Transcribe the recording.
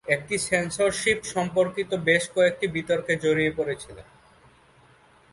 এটি সেন্সরশিপ সম্পর্কিত বেশ কয়েকটি বিতর্কে জড়িয়ে পড়েছিল।